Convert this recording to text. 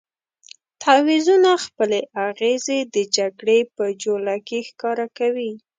تعویضونه خپلې اغېزې د جګړې په جوله کې ښکاره کوي.